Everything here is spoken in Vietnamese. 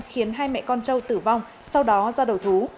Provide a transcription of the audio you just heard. khiến hai mẹ con châu tử vong sau đó ra đầu thú